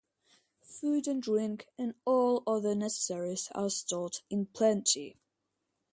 Food and drink and all other necessaries are stored in plenty.